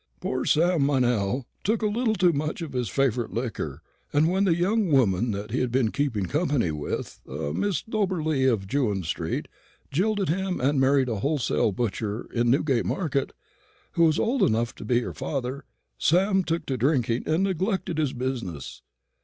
Poor Sam Meynell took a little too much of his favourite liquor; and when the young woman that he had been keeping company with Miss Dobberly of Jewin street jilted him and married a wholesale butcher in Newgate Market, who was old enough to be her father, Sam took to drinking, and neglected his business.